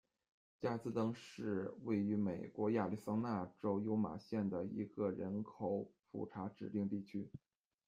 加兹登是位于美国亚利桑那州尤马县的一个人口普查指定地区。